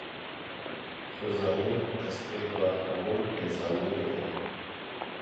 Xwezanîn, destpêka hemû pêzanînê ye.